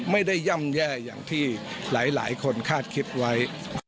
ย่ำแย่อย่างที่หลายคนคาดคิดไว้